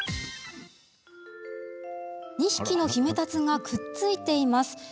２匹のヒメタツがくっついています。